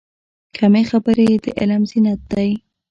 کمې خبرې، د علم زینت دی.